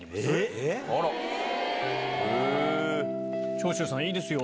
長州さんいいですよ。